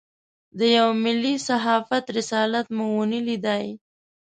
د یوه ملي صحافت رسالت مو ونه لېدای.